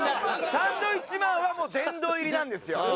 サンドウィッチマンはもう殿堂入りなんですよ。